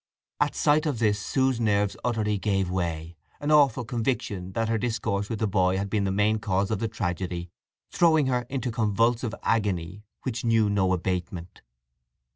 _ At sight of this Sue's nerves utterly gave way, an awful conviction that her discourse with the boy had been the main cause of the tragedy, throwing her into a convulsive agony which knew no abatement.